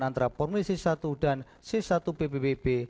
antara formulir c satu dan c satu pwp